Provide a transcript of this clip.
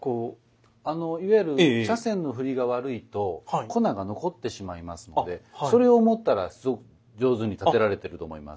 いわゆる茶筅の振りが悪いと粉が残ってしまいますのでそれを思ったらすごく上手に点てられてると思います。